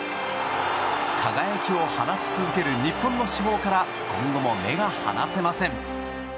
輝きを放ち続ける日本の至宝から今後も目が離せません！